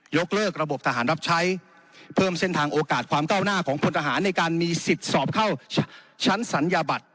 กเลิกระบบทหารรับใช้เพิ่มเส้นทางโอกาสความก้าวหน้าของพลทหารในการมีสิทธิ์สอบเข้าชั้นศัลยบัตร